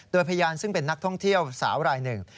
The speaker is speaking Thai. โดยพยานซึ่งเป็นนักท่องเที่ยวสาวรายหนึ่ง